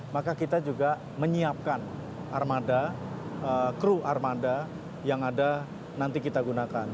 maka kita juga menyiapkan armada kru armada yang ada nanti kita gunakan